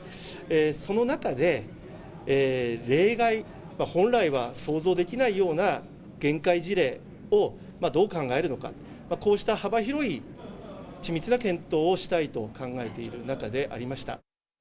その中で、例外、本来は想像できないような限界事例を、どう考えるのか、こうした幅広い緻密な検討をしたいと考えている中でありました。